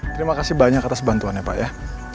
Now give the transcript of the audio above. terima kasih banyak atas bantuannya pak ya